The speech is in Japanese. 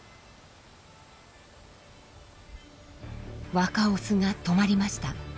若オスが止まりました。